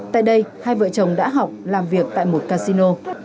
tại đây hai vợ chồng đã học làm việc tại một casino